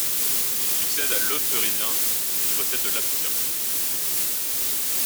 Il succède à l'Hauterivien et précède l'Aptien.